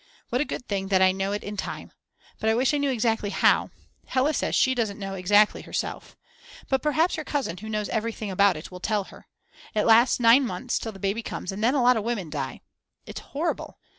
What a good thing that I know it in time. But I wish I knew exactly how, Hella says she doesn't know exactly herself. But perhaps her cousin who knows everything about it will tell her. It lasts nine months till the baby comes and then a lot of women die. It's horrible.